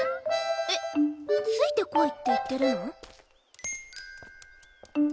えっ「ついてこい」って言ってるの？